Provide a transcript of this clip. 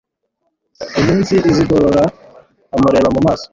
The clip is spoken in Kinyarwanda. iminsi azigorora umureba mumaso